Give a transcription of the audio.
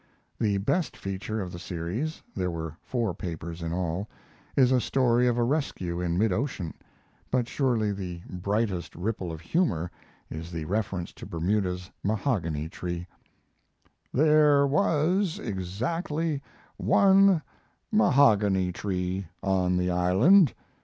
The best feature of the series (there were four papers in all) is a story of a rescue in mid ocean; but surely the brightest ripple of humor is the reference to Bermuda's mahogany tree: There was exactly one mahogany tree on the island.